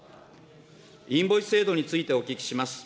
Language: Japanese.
インボイス制度についてお聞きします。